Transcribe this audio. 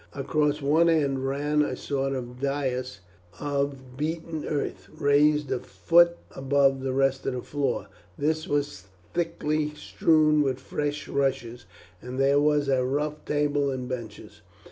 Across one end ran a sort of dais of beaten earth, raised a foot above the rest of the floor. This was thickly strewn with fresh rushes, and there was a rough table and benches.